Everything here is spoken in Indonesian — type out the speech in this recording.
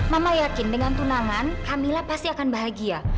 mama yakin dengan tunangan kamila pasti akan bahagia